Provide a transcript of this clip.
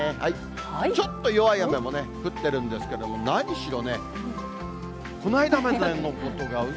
ちょっと弱い雨もね、降っているんですけども、何しろね、この間までのことがう